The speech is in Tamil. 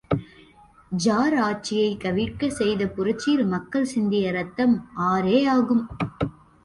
ஜார் ஆட்சியைக் கவிழ்க்கச் செய்து புரட்சியில் மக்கள் சிந்திய இரத்தம், ஆறேயாகும்.